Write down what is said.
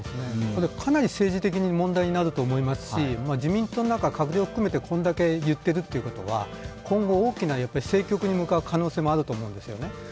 かなり政治的に問題になると思いますし、自民党の中閣僚を含めて、これだけ言ってるということは、今後大きな政局に向かう可能性があると思うんですよね。